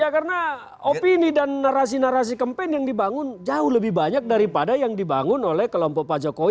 ya karena opini dan narasi narasi campaign yang dibangun jauh lebih banyak daripada yang dibangun oleh kelompok pak jokowi